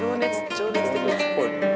情熱っぽい。